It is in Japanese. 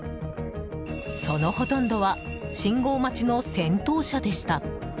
そのほとんどは信号待ちの先頭車でした。